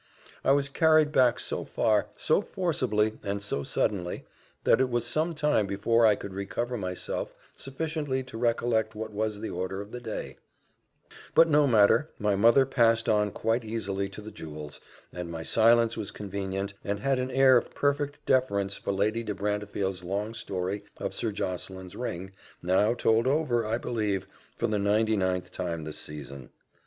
I was carried back so far, so forcibly, and so suddenly, that it was some time before I could recover myself sufficiently to recollect what was the order of the day; but no matter my mother passed on quite easily to the jewels, and my silence was convenient, and had an air of perfect deference for Lady de Brantefield's long story of Sir Josseline's ring, now told over, I believe, for the ninety ninth time this season.